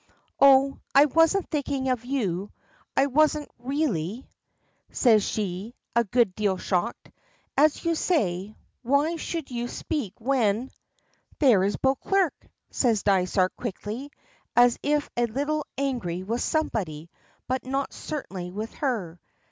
"Oh, I wasn't thinking of you. I wasn't, really," says she, a good deal shocked. "As you say, why should you speak, when " "There is Beauclerk," says Dysart, quickly, as if a little angry with somebody, but certainly not with her.